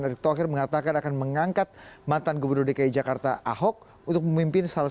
erick thohir mengatakan akan mengangkat mantan gubernur dki jakarta ahok untuk memimpin salah